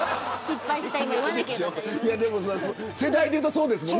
世代でいうとそうですもんね。